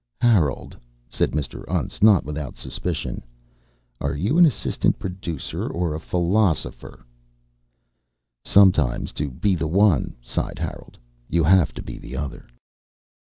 "Harold," said Mr. Untz, not without suspicion, "are you an assistant producer or a philosopher?" "Sometimes to be the one," sighed Harold, "you have to be the other."